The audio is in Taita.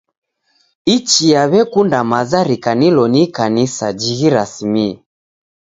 Ichia w'ekunda maza rikanilo ni Ikanisa jighirasimie.